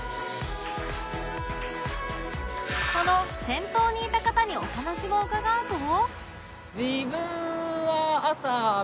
その先頭にいた方にお話を伺うと